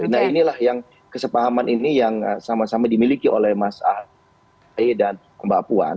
nah inilah yang kesepahaman ini yang sama sama dimiliki oleh mas ahy dan mbak puan